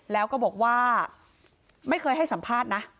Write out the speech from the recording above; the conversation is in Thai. แล้วก็บอกว่าไม่เคยให้สัมภาษณ์นะ